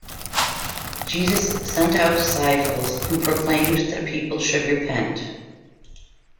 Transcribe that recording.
Jesus sent out disciples who "proclaimed that people should repent".